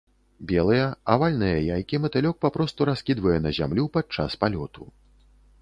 Белыя, авальныя яйкі матылёк папросту раскідвае на зямлю падчас палёту.